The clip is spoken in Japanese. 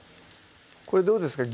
これどうですか？